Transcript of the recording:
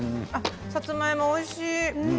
さつまいもおいしい。